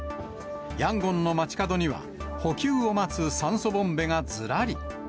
ヤンゴンの街角には、補給を待つ酸素ボンベがずらり。